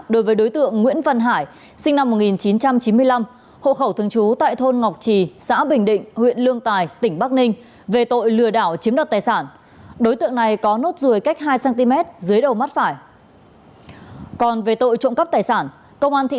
đối với đối tượng ngô văn đức sinh năm một nghìn chín trăm tám mươi sáu hộ khẩu thường trú tại thôn vân lôi